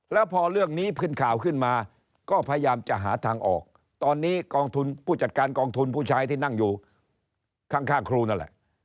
แล้วพอเรื่องนี้ขึ้นข่าวขึ้นมาก็พยายามจะหาทางออกตอนนี้กองทุนผู้จัดการกองทุนผู้ชายที่นั่งอยู่ข้างครูนั่นแหละ